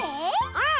うん！